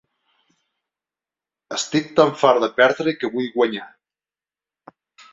Estic tan fart de perdre que vull guanyar.